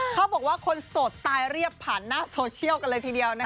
เขาบอกว่าคนโสดตายเรียบผ่านหน้าโซเชียลกันเลยทีเดียว